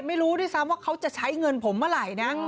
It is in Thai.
ไม่รู้ด้วยซ้ำว่าเขาจะใช้เงินผมเมื่อไหร่นะ